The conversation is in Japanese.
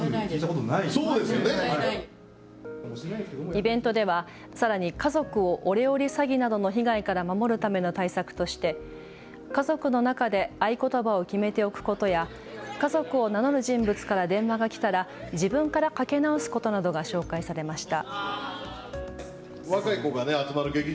イベントではさらに家族をオレオレ詐欺などの被害から守るための対策として家族の中で合言葉を決めておくことや家族を名乗る人物から電話がきたら自分からかけ直すことなどが紹介されました。